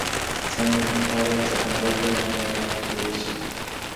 سم مي له خياله څه هغه ځي مايوازي پرېــږدي!